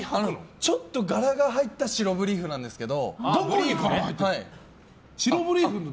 ちょっと柄が入った白ブリーフなんですけど。